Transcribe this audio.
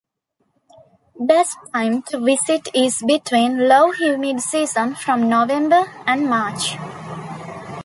Best time to visit is between low humid season from November and March.